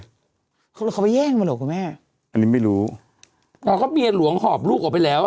เขาไปแย่งมันเหรอคุณแม่อันนี้ไม่รู้อ๋อเขาเมียหลวงหอบลูกออกไปแล้วอ่ะ